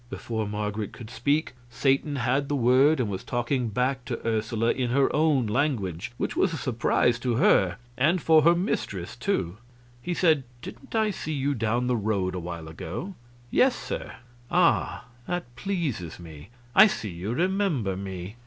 Before Marget could speak, Satan had the word, and was talking back to Ursula in her own language which was a surprise to her, and for her mistress, too. He said, "Didn't I see you down the road awhile ago?" "Yes, sir." "Ah, that pleases me; I see you remember me."